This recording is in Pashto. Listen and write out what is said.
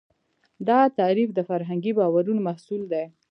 دا تعریف د فرهنګي باورونو محصول دی.